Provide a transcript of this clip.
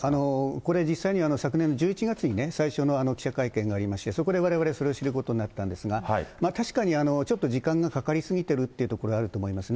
これ、実際に昨年の１１月に最初の記者会見がありまして、そこでわれわれ、それを知ることになったんですが、確かにちょっと時間がかかり過ぎてるというところ、あると思いますね。